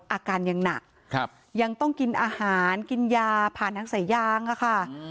อาการยังหนักยังต้องกินอาหารกินยาผ่านทางสายยางอะค่ะ